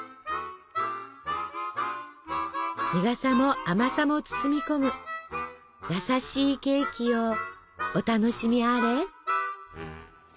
苦さも甘さも包み込む優しいケーキをお楽しみあれ。